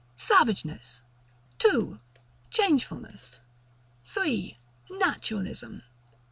Savageness. 2. Changefulness. 3. Naturalism.